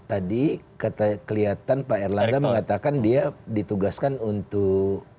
tadi kelihatan pak erlada mengatakan dia ditugaskan untuk mengurangi